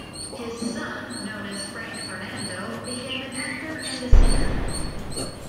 His son, known as Franck Fernandel, became an actor and a singer.